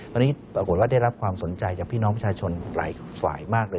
ตอนนี้ปรากฏว่าได้รับความสนใจจากพี่น้องประชาชนหลายฝ่ายมากเลย